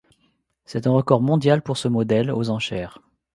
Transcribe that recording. C'est un record mondial pour ce modèle aux enchères.